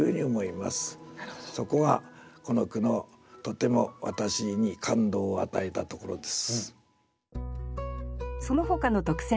そこがこの句のとても私に感動を与えたところです。